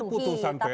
itu putusan pn nya